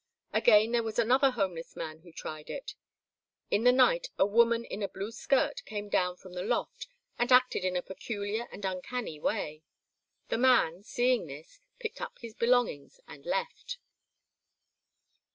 Again there was another homeless man who tried it. In the night a woman in a blue skirt came down from the loft, and acted in a peculiar and uncanny way. The man, seeing this, picked up his belongings and left.